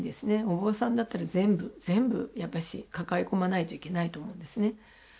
お坊さんだったら全部全部やっぱし抱え込まないといけないと思うんですね。